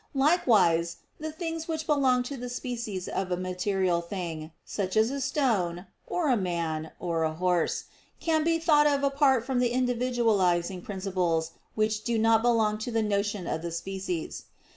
Likewise, the things which belong to the species of a material thing, such as a stone, or a man, or a horse, can be thought of apart from the individualizing principles which do not belong to the notion of the species.